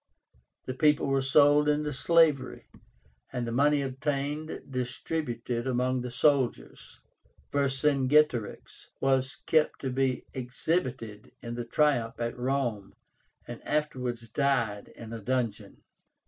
The people were sold into slavery, and the money obtained distributed among the soldiers. Vercingetorix was kept to be exhibited in the triumph at Rome, and afterwards died in a dungeon.